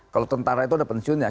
kalau tentara itu ada pensiunnya